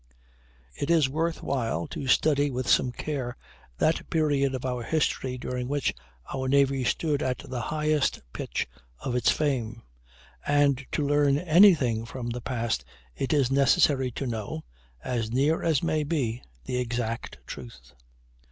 It is worth while to study with some care that period of our history during which our navy stood at the highest pitch of its fame; and to learn any thing from the past it is necessary to know, as near as may be, the exact truth.